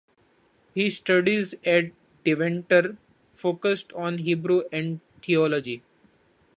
His studies at Deventer focused on Hebrew and Theology.